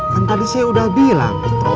kan tadi saya udah bilang